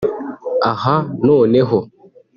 Aha noneho